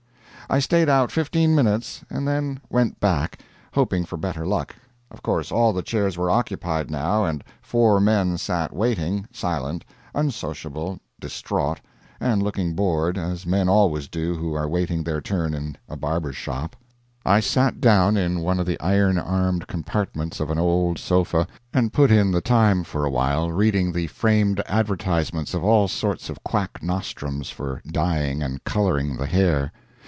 I stayed out fifteen minutes, and then went back, hoping for better luck. Of course all the chairs were occupied now, and four men sat waiting, silent, unsociable, distraught, and looking bored, as men always do who are waiting their turn in a barber's shop. I sat down in one of the iron armed compartments of an old sofa, and put in the time for a while reading the framed advertisements of all sorts of quack nostrums for dyeing and coloring the hair.